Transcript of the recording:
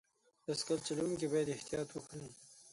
بایسکل چلوونکي باید احتیاط وکړي.